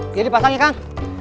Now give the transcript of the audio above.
ini dipasang ya kang